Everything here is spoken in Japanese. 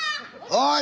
おい！